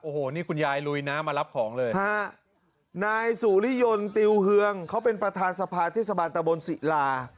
โอ้โหนี่คุณยายลุยน้ำมารับของเลยฮะนายสุริยนต์ติวเฮืองเขาเป็นประธานสภาเทศบาลตะบนศิลา